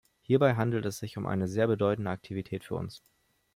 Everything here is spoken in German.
Hierbei handelt es sich um eine sehr bedeutende Aktivität für uns.